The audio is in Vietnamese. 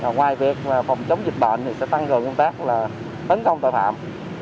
ngoài việc phòng chống dịch bệnh thì sẽ tăng cường công tác là tấn công tội phạm